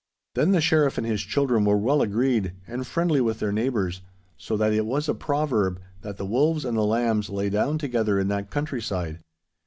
Then the Sheriff and his children were well agreed, and friendly with their neighbours, so that it was a proverb, that the wolves and the lambs lay down together in that countryside.